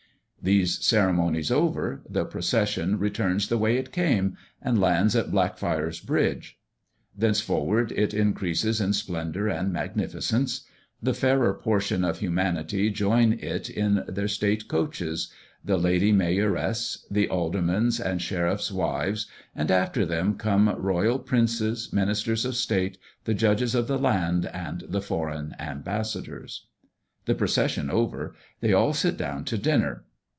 These ceremonies over, the procession returns the way it came, and lands at Blackfriars Bridge. Thenceforward it increases in splendour and magnificence. The fairer portion of humanity join it in their state coaches the Lady Mayoress, the Aldermen's and Sheriffs' wives; and after them come Royal Princes, Ministers of State, the Judges of the land, and the Foreign Ambassadors. The procession over, they all sit down to dinner.